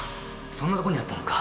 そんなとこにあったのか。